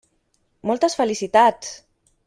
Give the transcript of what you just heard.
Moltes felicitats!